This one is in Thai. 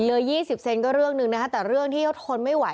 เลย๒๐เซนก็เรื่องหนึ่งนะคะแต่เรื่องที่เขาทนไม่ไหว